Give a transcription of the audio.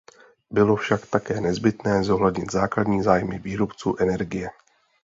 Bylo však také nezbytné zohlednit základní zájmy výrobců energie.